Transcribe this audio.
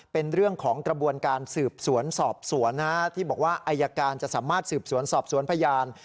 เป็นเรื่องของกระบวนการสืบสวนสอบสวนที่บอกว่าอายการจะสามารถสืบสวนสอบสวนพยาน